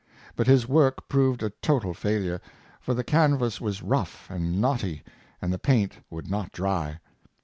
But his work proved a total failure; for the canvas was rough and knotty, and the paint would not dry.